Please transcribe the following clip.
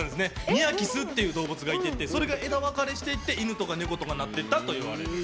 ニアキスっていってそれが枝分かれしていって犬とか猫になっていったといわれてる。